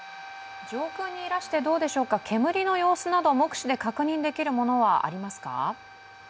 上空にいらして、煙の様子など目視で確認できるものはありますか？